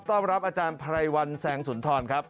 ต้อนรับอาจารย์ไพรวันแสงสุนทรครับ